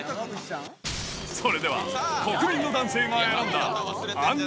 それでは国民の男性が選んだあんな